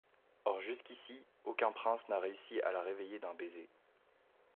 Or jusqu’ici, aucun prince n’a réussi à la réveiller d’un baiser.